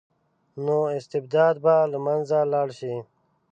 نو استبداد به له منځه لاړ شي.